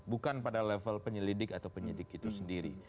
bukan pada level penyelidik atau penyidik itu sendiri